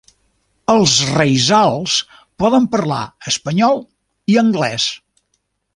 Els raizals poden parlar espanyol i anglès.